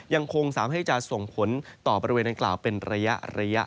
ยังคงสามารถให้จะส่งผลต่อบริเวณดังกล่าวเป็นระยะ